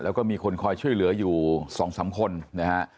แล้วก็มีคนคอยช่วยเหลืออยู่๒๓คนนะฮะ